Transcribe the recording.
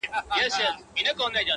• زړگى مي غواړي چي دي خپل كړمه زه؛